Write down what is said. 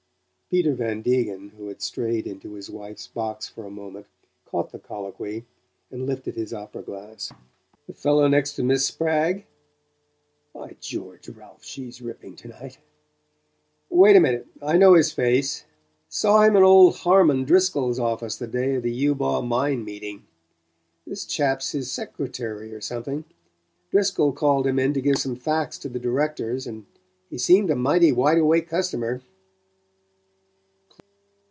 Peter Van Degen, who had strayed into his wife's box for a moment, caught the colloquy, and lifted his opera glass. "The fellow next to Miss Spragg? (By George, Ralph, she's ripping to night!) Wait a minute I know his face. Saw him in old Harmon Driscoll's office the day of the Eubaw Mine meeting. This chap's his secretary, or something. Driscoll called him in to give some facts to the directors, and he seemed a mighty wide awake customer."